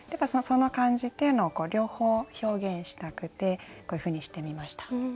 その感じっていうのを両方表現したくてこういうふうにしてみました。